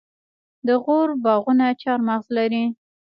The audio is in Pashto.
د غور باغونه چهارمغز لري.